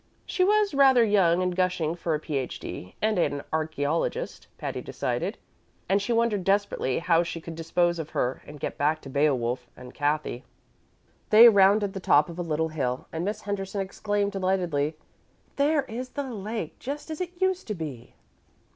She was rather young and gushing for a Ph.D. and an archæologist, Patty decided, and she wondered desperately how she could dispose of her and get back to "Beowulf" and Cathy. They rounded the top of a little hill, and Miss Henderson exclaimed delightedly, "There is the lake, just as it used to be!"